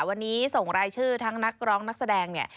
วันนี้ส่งรายชื่อทั้งนักร้องนักแสดงเนี่ย